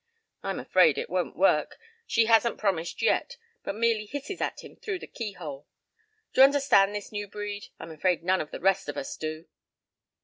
I'm afraid it won't work. She hasn't promised yet, but merely hisses at him through the keyhole. D'you understand this new breed? I'm afraid none of the rest of us do."